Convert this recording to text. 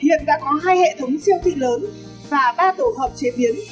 hiện đã có hai hệ thống siêu thị lớn và ba tổ hợp chế biến